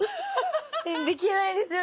できないんですよ